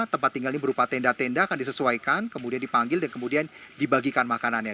tempat tinggalnya berupa tenda tenda akan disesuaikan kemudian dipanggil dan kemudian dibagikan makanannya